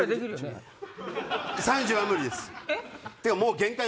３０は無理です。